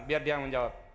biar dia yang menjawab